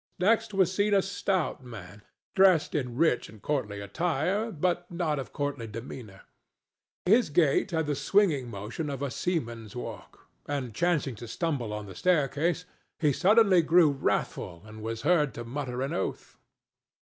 Next was seen a stout man dressed in rich and courtly attire, but not of courtly demeanor; his gait had the swinging motion of a seaman's walk, and, chancing to stumble on the staircase, he suddenly grew wrathful and was heard to mutter an oath.